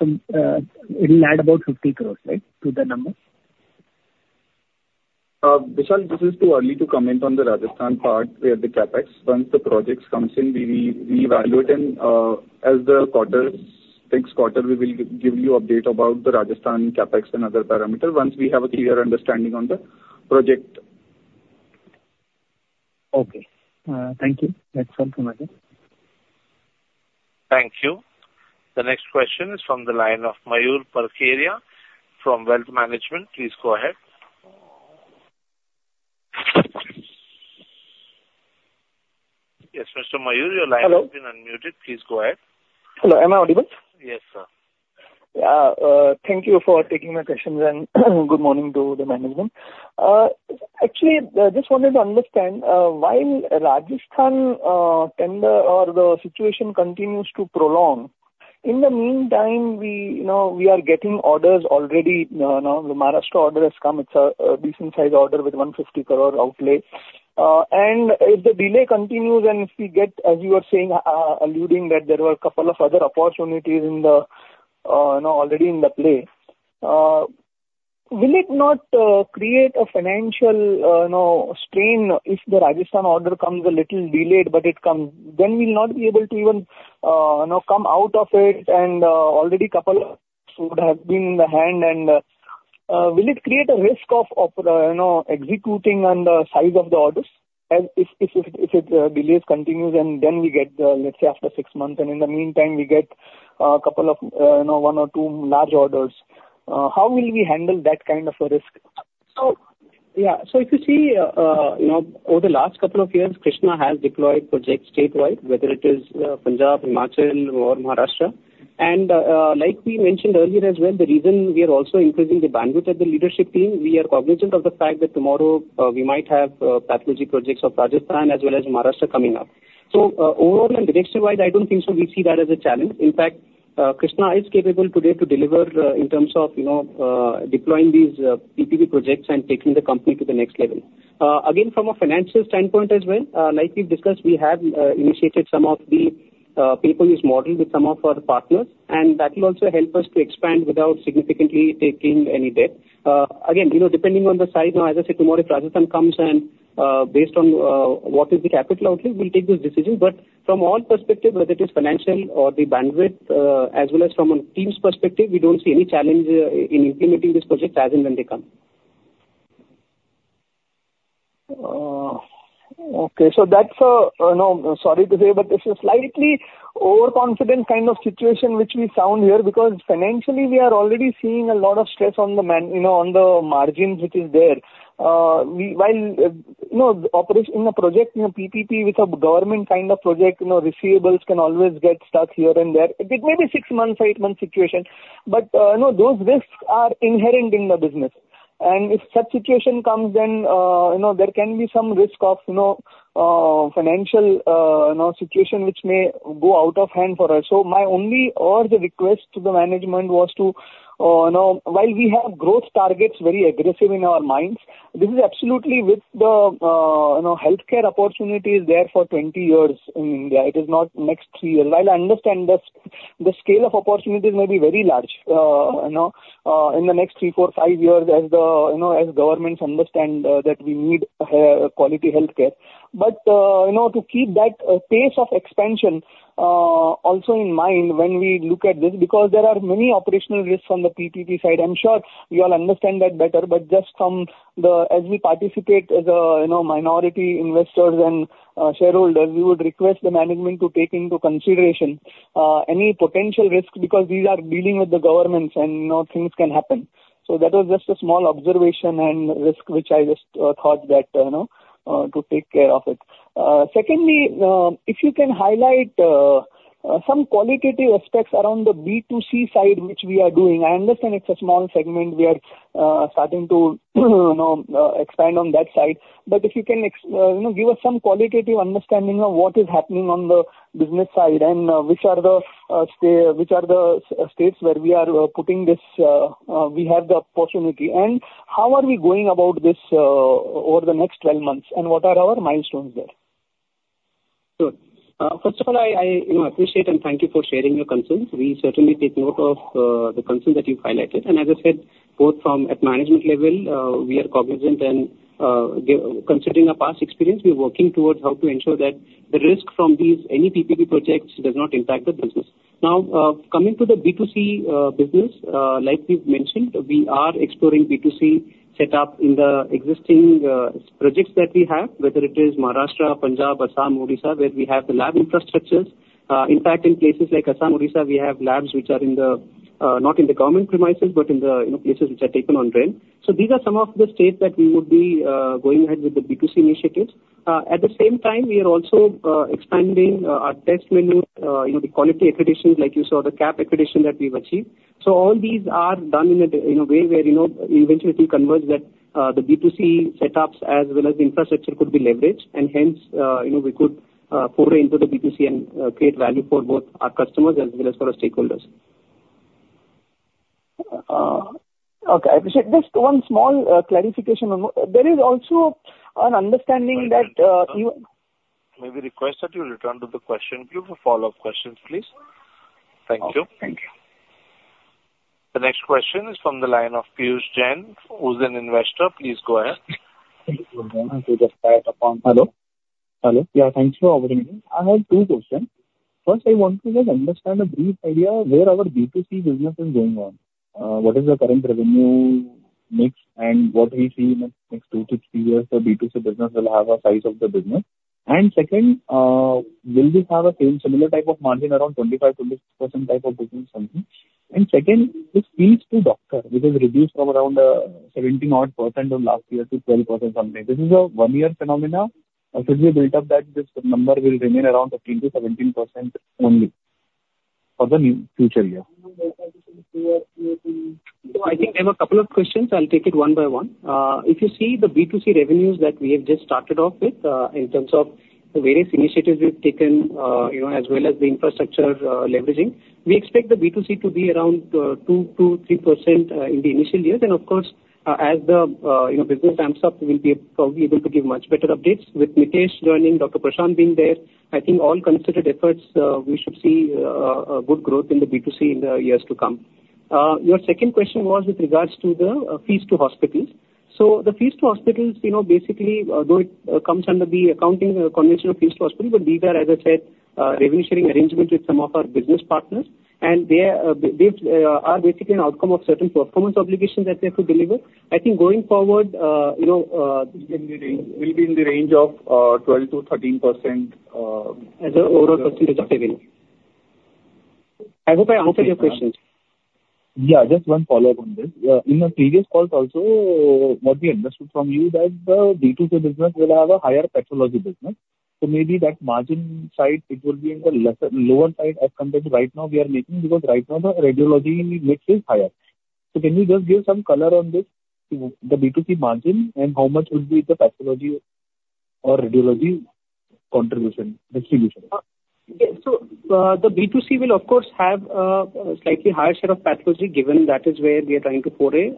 It'll add about fifty crores, right, to the number? Vishal, this is too early to comment on the Rajasthan part with the CapEx. Once the projects come in, we will reevaluate and, as the quarters, next quarter, we will give you update about the Rajasthan CapEx and other parameters once we have a clear understanding on the project. Okay. Thank you. That's all from my end. Thank you. The next question is from the line of Mayur Parkeria from Wealth Management. Please go ahead. Yes, Mr. Mayur, your line is open. Hello? Has been unmuted. Please go ahead. Hello, am I audible? Yes, sir. Thank you for taking my questions, and good morning to the management. Actually, just wanted to understand, while Rajasthan tender or the situation continues to prolong, in the meantime, we are getting orders already. Now the Maharashtra order has come. It's a decent size order with 150 crore outlay. If the delay continues and if we get, as you are saying, alluding, that there were a couple of other opportunities in the play, will it not create a financial strain if the Rajasthan order comes a little delayed, but it comes? Then we'll not be able to even come out of it and already a couple would have been in the hand, and will it create a risk of executing on the size of the orders as if delays continue, and then we get after six months, and in the meantime, we get a couple of one or two large orders. How will we handle that kind of a risk? So, yeah. If you see over the last couple of years, Krsnaa has deployed projects statewide, whether it is Punjab, Himachal, or Maharashtra. And like we mentioned earlier as well, the reason we are also increasing the bandwidth of the leadership team, we are cognizant of the fact that tomorrow we might have pathology projects of Rajasthan as well as Maharashtra coming up. So overall and direction-wise, I don't think we see that as a challenge. In fact, Krsnaa is capable today to deliver in terms of deploying these PPP projects and taking the company to the next level. Again, from a financial standpoint as well, like we've discussed, we have initiated some of the pay-per-use model with some of our partners, and that will also help us to expand without significantly taking any debt. Again, you know, depending on the side, now, as I said tomorrow, if Rajasthan comes and, based on what is the capital outlay, we'll take those decisions. But from all perspective, whether it is financial or the bandwidth, as well as from a team's perspective, we don't see any challenge in implementing this project as and when they come. Okay. So that's, you know, sorry to say, but it's a slightly overconfident kind of situation which we found here, because financially we are already seeing a lot of stress on the margins, which is there. We, while, you know, operating in a project, in a PPP with a government kind of project, you know, receivables can always get stuck here and there. It may be six months or eight months situation, but, you know, those risks are inherent in the business. And if such situation comes, then, you know, there can be some risk of, you know, financial situation which may go out of hand for us. My only request to the management was to, while we have very aggressive growth targets in our minds, this is absolutely with the healthcare opportunity that is there for twenty years in India. It is not the next three years. While I understand the scale of opportunities may be very large in the next three, four, five years as governments understand that we need quality healthcare. But to keep that pace of expansion also in mind when we look at this, because there are many operational risks on the PPP side. I'm sure you all understand that better, but just from the as we participate as a minority investors and shareholders, we would request the management to take into consideration any potential risk, because these are dealing with the governments and things can happen. So that was just a small observation and risk, which I just thought that to take care of it. Secondly, if you can highlight some qualitative aspects around the B2C side, which we are doing. I understand it's a small segment, we are starting to expand on that side. But if you can give us some qualitative understanding of what is happening on the business side, and which are the states where we are putting this, we have the opportunity. And how are we going about this over the next twelve months, and what are our milestones there? Sure. First of all, I appreciate and thank you for sharing your concerns. We certainly take note of the concerns that you've highlighted. And as I said, both from at management level, we are cognizant and, given our past experience, we're working towards how to ensure that the risk from these, any PPP projects, does not impact the business. Now, coming to the B2C business, like we've mentioned, we are exploring B2C setup in the existing projects that we have, whether it is Maharashtra, Punjab, Assam, Odisha, where we have the lab infrastructures. In fact, in places like Assam, Odisha, we have labs which are in the, not in the government premises, but in the places which are taken on rent. These are some of the states that we would be going ahead with the B2C initiatives. At the same time, we are also expanding our test menu, the quality accreditation, like you saw, the CAP accreditation that we've achieved. All these are done in a way where eventually it will converge that the B2C setups as well as the infrastructure could be leveraged. Hence, we could pour into the B2C and create value for both our customers as well as for our stakeholders. Okay. I appreciate. Just one small clarification. There is also an understanding that you- May we request that you return to the question queue for follow-up questions, please? Thank you. Okay. Thank you. The next question is from the line of Piyush Jain, who is an investor. Please go ahead. Thank you. Hello? Hello. Yeah, thanks for operating. I have two questions. First, I want to just understand a brief area where our B2C business is going on. What is the current revenue mix, and what we see in the next two to three years, the B2C business will have a size of the business? And second, will this have a same similar type of margin around 25%, 26% type of business something? And second, this fees to doctor, which has reduced from around 17% from last year to 12% something. This is a one-year phenomena, or should we build up that this number will remain around 13% to 17% only for the future year? I think there were a couple of questions. I'll take it one by one. If you see the B2C revenues that we have just started off with, in terms of the various initiatives we've taken, as well as the infrastructure leveraging, we expect the B2C to be around 2% to 3% in the initial years. And of course, as the business ramps up, we'll be probably able to give much better updates. With Mitesh joining, Dr. Prashant being there, I think all considered efforts, we should see a good growth in the B2C in the years to come. Your second question was with regards to the fees to hospitals. The fees to hospitals, you know, basically, though it comes under the accounting convention of fees to hospitals, but these are, as I said, revenue sharing arrangement with some of our business partners. And they are basically an outcome of certain performance obligations that they have to deliver. I think going forward, you know, it will be in the range of 12% to 13% as a overall percentage of revenue. I hope I answered your questions. Yeah, just one follow-up on this. In a previous call also, what we understood from you that the B2C business will have a higher pathology business. So maybe that margin side, it will be on the lesser, lower side as compared to right now we are making, because right now the radiology mix is higher. So can you just give some color on this, the B2C margin, and how much would be the pathology or radiology contribution, distribution? Yeah. So the B2C will of course have a slightly higher share of pathology, given that is where we are trying to foray.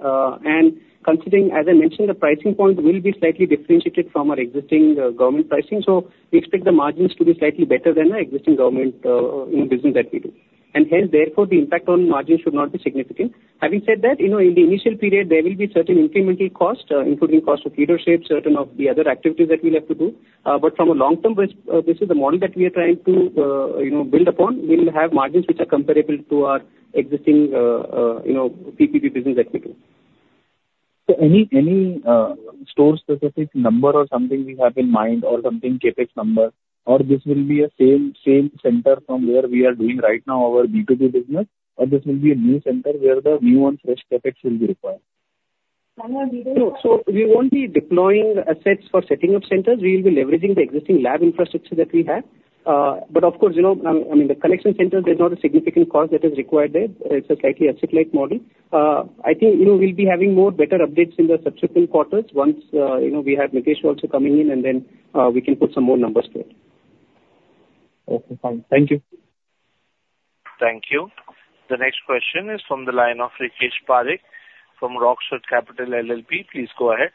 Considering, as I mentioned, the pricing point will be slightly differentiated from our existing government pricing. So we expect the margins to be slightly better than our existing government business that we do. Hence, therefore, the impact on margins should not be significant. Having said that, you know, in the initial period, there will be certain incremental costs, including cost of leadership, certain of the other activities that we'll have to do. But from a long-term perspective, this is the model that we are trying to build upon. We will have margins which are comparable to our existing PPP business executive. Any store-specific number or something we have in mind or something, CapEx number, or this will be a same center from where we are doing right now, our B2B business, or this will be a new center where the new and fresh CapEx will be required? No, so we won't be deploying assets for setting up centers. We will be leveraging the existing lab infrastructure that we have. But of course, you know, I mean, the collection center, there's not a significant cost that is required there. It's a slightly asset-light model. I think, you know, we'll be having more better updates in the subsequent quarters once, you know, we have Mitesh also coming in, and then we can put some more numbers to it. Okay, fine. Thank you. Thank you. The next question is from the line of Rakesh Parekh from Rockstud Capital LLP. Please go ahead.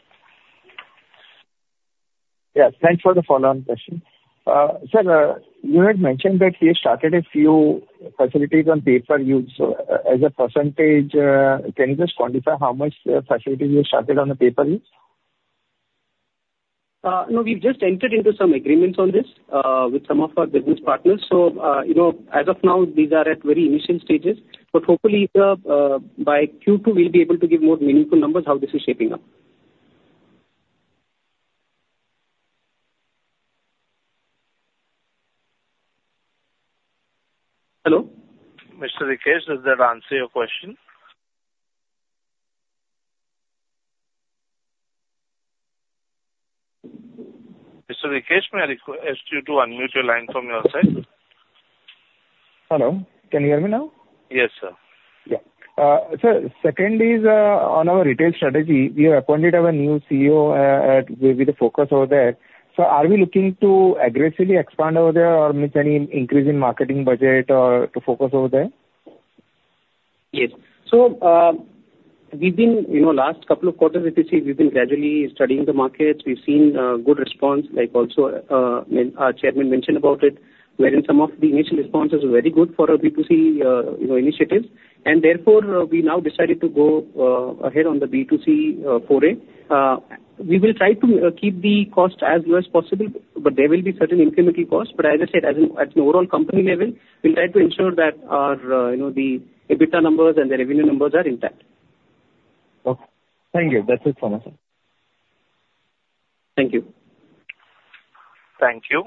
Yeah, thanks for the follow-on question. Sir, you had mentioned that we started a few facilities on pay-per-use. As a percentage, can you just quantify how much facilities you started on the pay-per-use? No, we've just entered into some agreements on this with some of our business partners. So, you know, as of now, these are at very initial stages, but hopefully by Q2, we'll be able to give more meaningful numbers how this is shaping up. Hello? Mr. Rakesh, does that answer your question? Mr. Rakesh, may I request you to unmute your line from your side? Hello, can you hear me now? Yes, sir. Yeah. Sir, second is on our retail strategy. We appointed our new CEO with the focus over there. So are we looking to aggressively expand over there, or make any increase in marketing budget or to focus over there? Yes. We've been, last couple of quarters, we've been gradually studying the markets. We've seen good response, like also when our chairman mentioned about it, wherein some of the initial responses were very good for our B2C initiatives. And therefore, we now decided to go ahead on the B2C foray. We will try to keep the cost as low as possible, but there will be certain incremental costs. But as I said, at an overall company level, we'll try to ensure that our EBITDA numbers and the revenue numbers are intact. Okay. Thank you. That's it from us. Thank you. Thank you.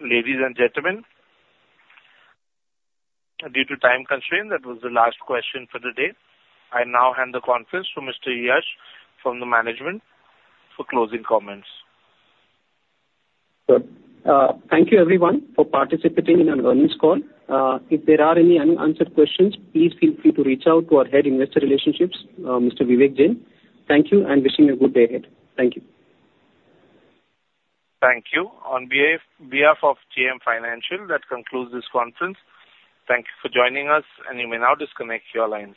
Ladies and gentlemen, due to time constraints, that was the last question for the day. I now hand the conference to Mr. Yash from the management for closing comments. Thank you, everyone, for participating in our earnings call. If there are any unanswered questions, please feel free to reach out to our Head of Investor Relations, Mr. Vivek Jain. Thank you, and wishing a good day ahead. Thank you. Thank you. On behalf of JM Financial, that concludes this conference. Thank you for joining us, and you may now disconnect your lines.